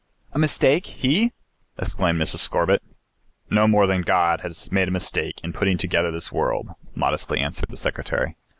"A mistake? He?" exclaimed Mrs. Scorbitt. "No more than God has made a mistake in putting together this world," modestly answered the Secretary.